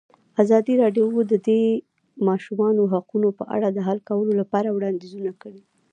ازادي راډیو د د ماشومانو حقونه په اړه د حل کولو لپاره وړاندیزونه کړي.